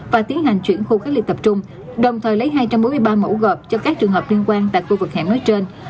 và tiến hành chuyển khu khách liệt tập trung đồng thời lấy hai trăm bốn mươi ba mẫu gọp cho các trường hợp liên quan tại khu vực hẹn mới trên